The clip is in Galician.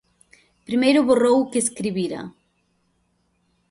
Primeiro borrou o que escribira.